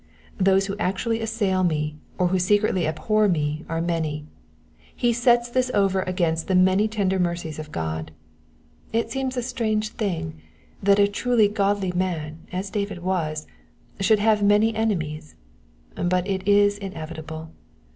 '*^ Those who actually assail me, or who secretly abhor me, are many. He sets this over against the many tender mercies of God. It seems a strange thing that a truly godly man, as David was, should have many enemies ; but it is inevitable.